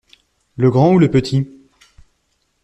Le grand ou le petit ?